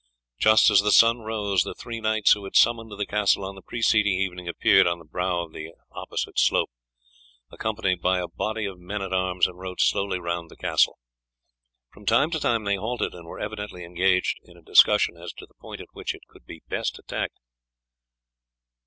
Just as the sun rose the three knights who had summoned the castle on the preceding evening appeared on the brow of the opposite slope, accompanied by a body of men at arms, and rode slowly round the castle. From time to time they halted, and were evidently engaged in a discussion as to the point at which it could be best attacked.